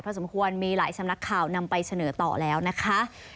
สมควรมีหลายสำนักข่าวนำไปเสนอต่อแล้วนะคะ